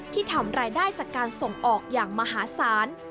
ทำรายได้จากการส่งออกอย่างมหาศาล